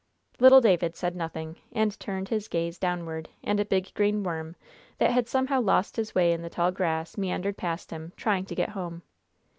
Little David said nothing, and turned his gaze downward, and a big green worm, that had somehow lost his way in the tall grass, meandered past him, trying to get home.